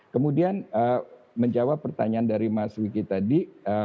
kemudian menjawab pertanyaan dari mas wiki tadi